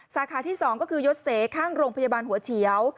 สาขาที่๒ก็คือยศเสข้างโรงพยาบาลหัวเฉียว